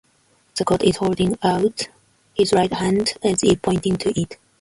The god is holding out his right hand as if pointing to it.